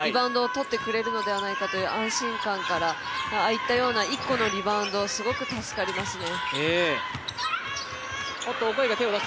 リバウンドをとってくれるのではないかという安心感からああいったような１個のリバウンドはすごく助かりますね。